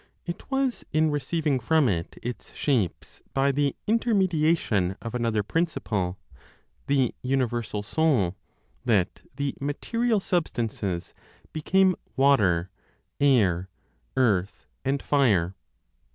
It was in receiving from it its shapes by the intermediation of another principle, the universal Soul, that the (material) substances became water, air, earth and fire.